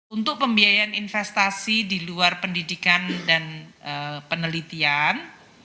untuk pembiayaan investasi di luar pendidikan dan penelitian